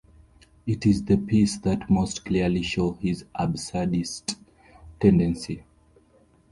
It is the piece that most clearly shows his absurdist tendency.